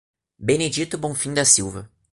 Benedito Bonfim da Silva